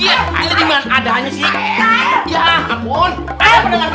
iya ini dimakan ada annya sih